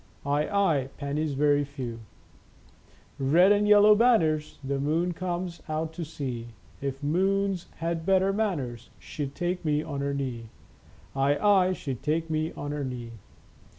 Aye, aye, pennies very few. Games and Sports 101 '* Red and yellow banners The moon comes out to see ; If moons had better manners She'd take me on her knee. Aye, aye, she'd take me on her knee.